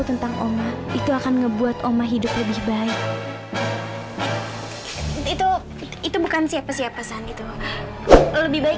tentang oma itu akan ngebuat oma hidup lebih baik itu itu bukan siapa siapa pesan itu lebih baik